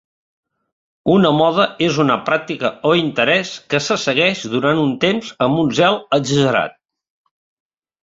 Una moda és una pràctica o interès que se segueix durant un temps amb un zel exagerat.